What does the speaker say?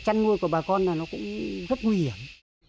trong thời gian này bà con đã tìm hiểu về những vấn đề của bà con